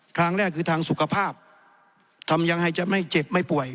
ทางแรกคือทางสุขภาพทำยังไงจะไม่เจ็บไม่ป่วย